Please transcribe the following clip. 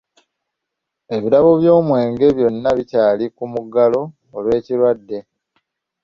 Ebirabo by'omwenge byonna bikyali ku muggalo olw'ekirwadde.